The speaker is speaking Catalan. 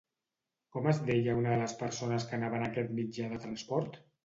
Com es deia una de les persones que anava en aquest mitjà de transport?